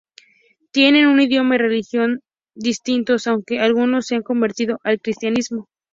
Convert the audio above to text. Tienen un idioma y religión distintos, aunque algunos se han convertido al cristianismo.